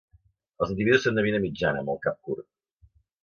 Els individus són de mida mitjana, amb el cap curt.